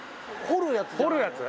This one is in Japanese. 掘るやつ。